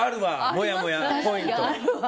もやもやポイント。